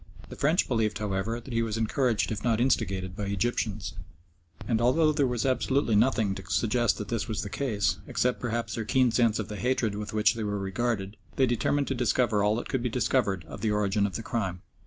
The French believed, however, that he was encouraged if not instigated by Egyptians, and although there was absolutely nothing to suggest that this was the case, except perhaps their keen sense of the hatred with which they were regarded, they determined to discover all that could be discovered of the origin of the crime.